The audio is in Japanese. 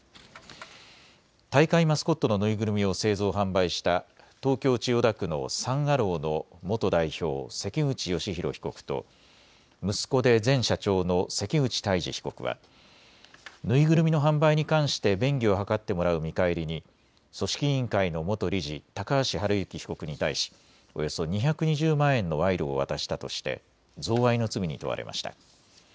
大会マスコットのぬいぐるみを製造・販売した東京千代田区のサン・アローの元代表、関口芳弘被告と、息子で前社長の関口太嗣被告はぬいぐるみの販売に関して便宜を図ってもらう見返りに組織委員会の元理事、高橋治之被告に対しおよそ２２０万円の賄賂を渡したとして贈賄の罪に問われました。